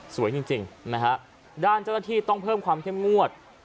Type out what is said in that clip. สวยจริงนะฮะด้านเจ้าหน้าที่ต้องเพิ่มความเข้มงวด